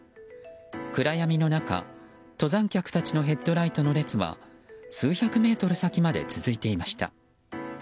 暗闇の中、登山客たちのヘッドライトの列は数百メートル先まで続いていました。